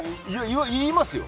言いますよ。